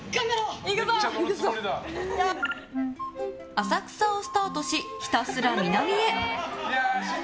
浅草をスタートしひたすら南へ。